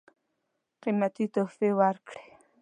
قېمتي تحفې ورکړې.